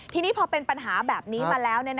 ทีนี้พอเป็นปัญหาแบบนี้มาแล้ว